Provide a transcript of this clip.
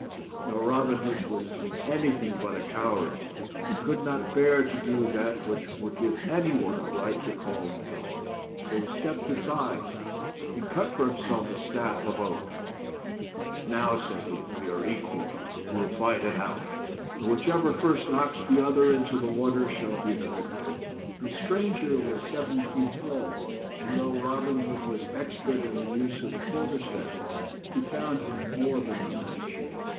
Now Robin Hood was anything but a coward, and could not bear to do that which would give anybody a right to call him one ; so he stepped aside and cut for himself a staff of oak. " Now," said he "we are equal ; we will fight it out; and whichever first knocks the other into the water shall be the victor." 215 THE STORY OF ROBIN HOOD. The stranger was seven feet tall, and though Robin Hood was expert in the use of the quarter staff, he found him more than a match.